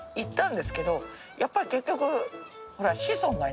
やっぱり結局。